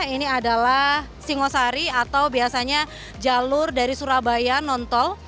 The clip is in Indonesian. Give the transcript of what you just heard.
ini adalah singosari atau biasanya jalur dari surabaya non tol